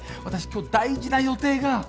私今日大事な予定が。